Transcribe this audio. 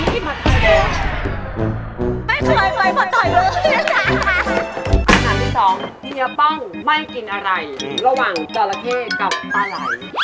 ไม่เคยไปผัดไทยหรือ